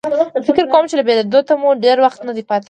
فکر کوم چې له بېلېدو ته مو ډېر وخت نه دی پاتې.